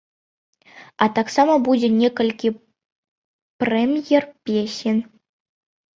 А таксама будзе некалькі прэм'ер песень.